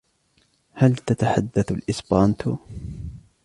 هل تتحدث الإسبرانتو ؟